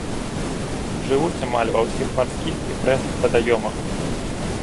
Жывуць амаль ва ўсіх марскіх і прэсных вадаёмах.